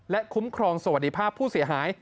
และคุ้มครองสวัสดิภาพผู้เสียหาย